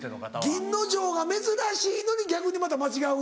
銀之丞が珍しいのに逆にまた間違うんだ。